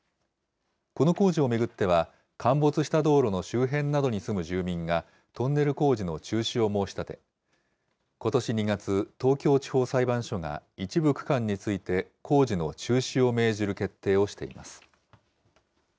この工事を巡っては、陥没した道路の周辺などに住む住民が、トンネル工事の中止を申し立て、ことし２月、東京地方裁判所が、一部区間について工事の中止を命じる決定をしています。